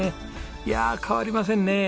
いやあ変わりませんねえ。